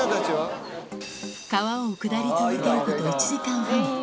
川を下り続けること１時間半。